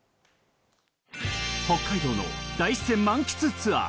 北海道の大自然満喫ツアー。